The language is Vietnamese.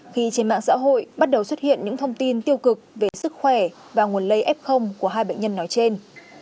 khi trên mạng xã hội bắt đầu xuất hiện những thông tin tiêu cực về sức khỏe và nguồn lây f của hai bệnh nhân nói trên